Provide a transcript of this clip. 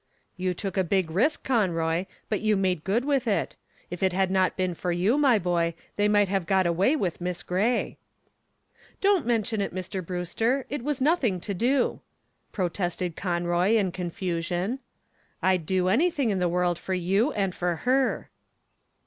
"You took a big risk, Conroy, but you made good with it. If it had not been for you, my boy, they might have got away with Miss Gray." "Don't mention it, Mr. Brewster, it was nothing to do," protested Conroy in confusion. "I'd do anything in the world for you and for her."